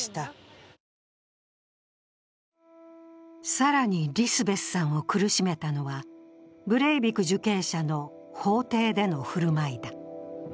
更に、リスベスさんを苦しめたのは、ブレイビク受刑者の法廷での振る舞いだ。